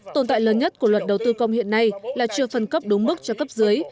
tồn tại lớn nhất của luật đầu tư công hiện nay là chưa phân cấp đúng mức cho cấp dưới